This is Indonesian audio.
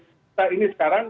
kita ini sekarang